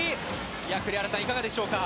栗原さん、いかがでしょうか。